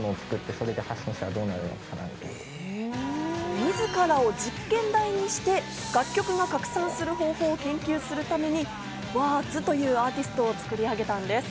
自らを実験台にして、楽曲を拡散させる方法を研究するためにＷｕｒｔＳというアーティストを作り上げたんです。